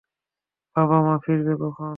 বাবা, মা ফিরবে কখন?